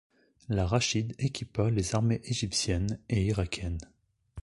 La Rashid équipa les armées égyptienne et irakienne.